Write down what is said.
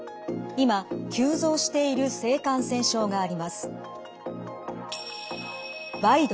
今急増している性感染症があります。